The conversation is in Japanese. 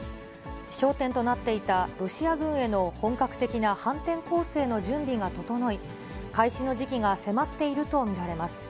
焦点となっていたロシア軍への本格的な反転攻勢の準備が整い、開始の時期が迫っていると見られます。